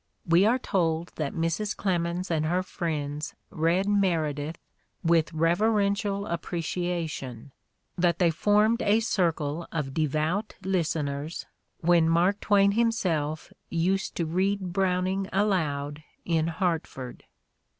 "We are told that Mrs, Clemens and her friends read Meredith "with reverential appre ciation," that they formed a circle of "devout listeners" when Mark Twain himself used to read Browning aloud in Hartford.